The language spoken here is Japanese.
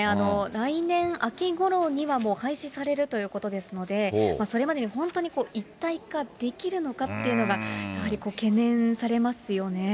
来年秋ごろにはもう廃止されるということですので、それまでに本当に一体化できるのかっていうのが、やはり懸念されますよね。